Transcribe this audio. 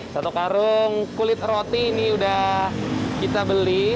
satu karung kulit roti ini sudah kita beli